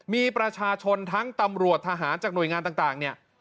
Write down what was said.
มีประชาชนทั้งตำรวจทหารจากหน่วยงานต่างเนี่ย